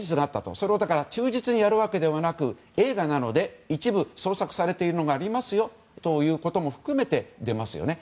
それを忠実にやるわけではなく映画なので一部創作されているところがありますよということも含めて出ますよね。